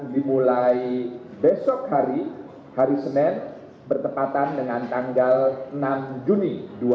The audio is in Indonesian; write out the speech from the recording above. dimulai besok hari hari senin bertepatan dengan tanggal enam juni dua ribu dua puluh